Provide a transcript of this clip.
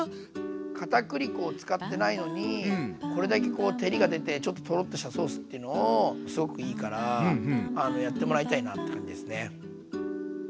かたくり粉を使ってないのにこれだけこう照りが出てちょっとトロッとしたソースっていうのをすごくいいからやってもらいたいなって感じですね。